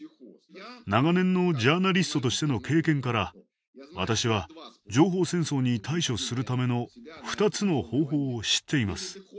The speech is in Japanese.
長年のジャーナリストとしての経験から私は情報戦争に対処するための２つの方法を知っています。